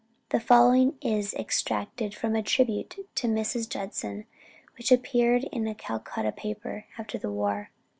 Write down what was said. The following is extracted from a tribute to Mrs. Judson which appeared in a Calcutta paper, after the war.